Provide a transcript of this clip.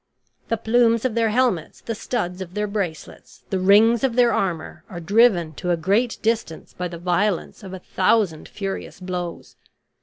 The plumes of their helmets, the studs of their bracelets, the rings of their armor, are driven to a great distance by the violence of a thousand furious blows.